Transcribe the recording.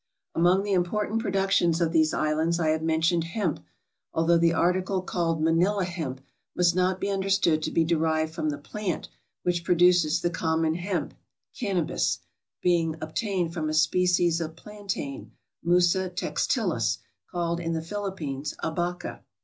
Among the important productions of these islands I have mentioned hemp, although the article called Manila hemp must not be understood to be derived from the plant which produces the common hemp (Cauibis), being ob tained from a species of plantain (fthisa textilis), called in the Philippines '' abaca.